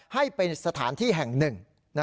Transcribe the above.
ให้เป็นสถานที่แห่งหนึ่ง